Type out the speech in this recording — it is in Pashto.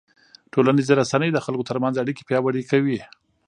ټولنیزې رسنۍ د خلکو ترمنځ اړیکې پیاوړې کوي.